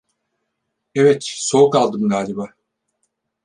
Evet, soğuk aldım galiba!